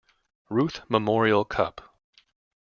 Ruth Memorial Cup.